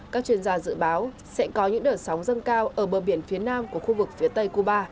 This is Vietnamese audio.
các chuyên gia dự báo sẽ có những đợt sóng dâng cao ở bờ biển phía nam của khu vực phía tây cuba